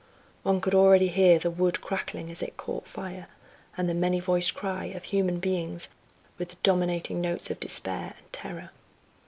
One could already hear the wood crackling as it caught fire, and the many voiced cry of human beings with the dominating notes of despair and terror.